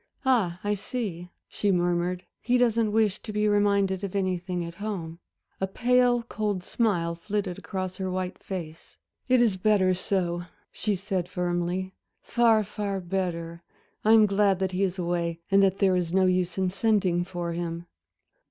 "Ah, I see," she murmured, "he doesn't wish to be reminded of anything at home." A pale cold smile flitted across her white face. "It is better so," she said, firmly, "far, far better. I am glad that he is away and that there is no use in sending for him."